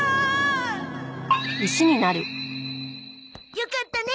よかったね